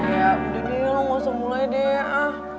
kayak gini loh ga usah mulai deh